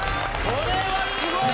これはすごい！